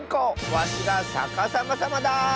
わしがさかさまさまだ！